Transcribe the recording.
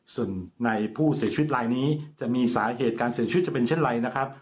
ส่วนในผู้เสียชีวิตลายนี้จะมีสาเหตุการเสียชีวิตจะเป็นเช่นไรนะครับ